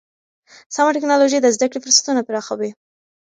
سمه ټکنالوژي د زده کړې فرصتونه پراخوي.